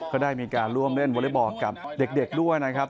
ก็ได้มีการร่วมเล่นวอเล็กบอลกับเด็กด้วยนะครับ